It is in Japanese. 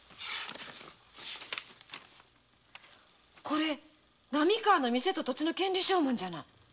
これ波川のお店と土地の権利証文じゃない。